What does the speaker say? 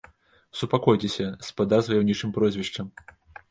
Супакойцеся, спадар з ваяўнічым прозвішчам!